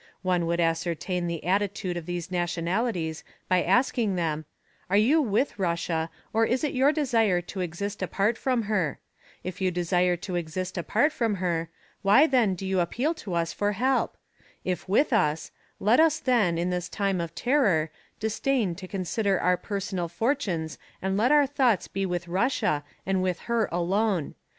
One would ascertain the attitude of these nationalities by asking them: "Are you with Russia or is it your desire to exist apart from her? If you desire to exist apart from her why, then, do you appeal to us for help? If with us let us then, in this time of terror, disdain to consider our personal fortunes and let our thoughts be with Russia and with her alone.